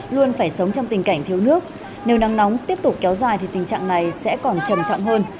luôn phải sống trong tình cảnh thiếu nước nếu nắng nóng tiếp tục kéo dài thì tình trạng này sẽ còn trầm trọng hơn